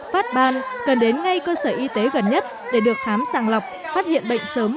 phát ban cần đến ngay cơ sở y tế gần nhất để được khám sàng lọc phát hiện bệnh sớm